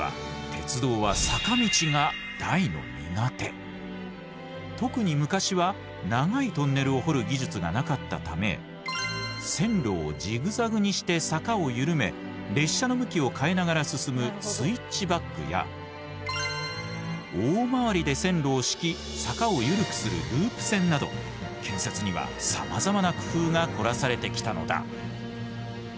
実は特に昔は長いトンネルを掘る技術がなかったため線路をジグザグにして坂を緩め列車の向きを変えながら進むスイッチバックや大回りで線路を敷き坂を緩くするループ線など建設にはさまざまな工夫が凝らされてきたのだ！